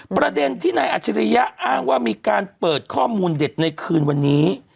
ประเด็นที่นายอัจฉริยะอ้างว่ามีการเปิดข้อมูลเด็ดในคืนวันนี้